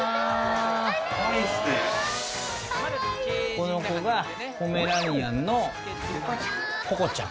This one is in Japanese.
この子がポメラニアンのココちゃん。